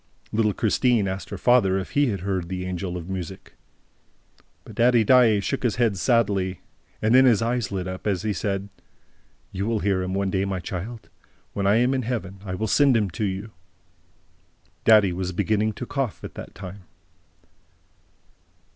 Little Christine asked her father if he had heard the Angel of Music. But Daddy Daae shook his head sadly; and then his eyes lit up, as he said: "You will hear him one day, my child! When I am in Heaven, I will send him to you!" Daddy was beginning to cough at that time.